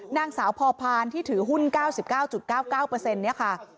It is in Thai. นางสาวพอพานที่ถือหุ้น๙๙๙๙๙๙เนี่ยค่ะ